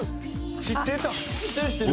「知ってる！」